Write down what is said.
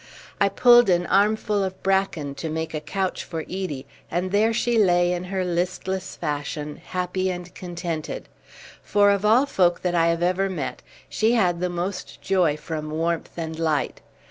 I pulled an armful of bracken to make a couch for Edie, and there she lay in her listless fashion, happy and contented; for of all folk that I have ever met, she had the most joy from warmth and light.